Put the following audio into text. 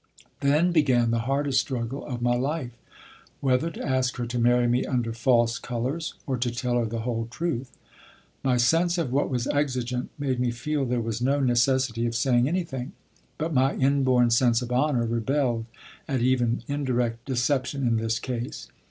Then began the hardest struggle of my life, whether to ask her to marry me under false colors or to tell her the whole truth. My sense of what was exigent made me feel there was no necessity of saying anything; but my inborn sense of honor rebelled at even indirect deception in this case.